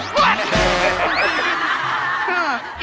พี่